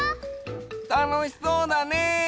たのしそうだねえ！